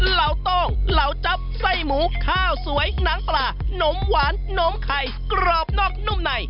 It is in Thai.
เหล่าโต้งเหล่าจั๊บไส้หมูข้าวสวยหนังปลานมหวานนมไข่กรอบนอกนุ่มใน